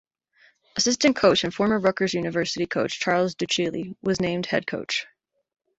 Assistant coach and former Rutgers University coach Charles Duccilli was named head coach.